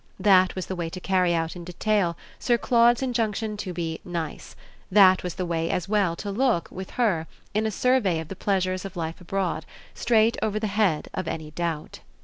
That was the way to carry out in detail Sir Claude's injunction to be "nice"; that was the way, as well, to look, with her, in a survey of the pleasures of life abroad, straight over the head of any doubt.